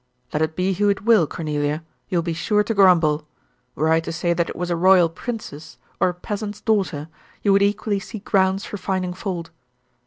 "Let it be who it will, Cornelia, you will be sure to grumble. Were I to say that it was a royal princess, or a peasant's daughter, you would equally see grounds for finding fault."